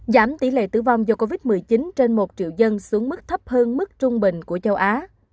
giảm tỷ lệ tử vong do covid một mươi chín trên một triệu dân xuống mức thấp hơn mức trung bình của châu á